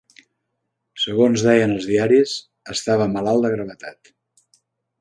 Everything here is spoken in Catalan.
Segons deien els diaris, estava malalt de gravetat.